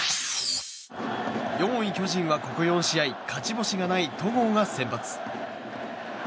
４位巨人はここ４試合、勝ちがない戸郷が先発。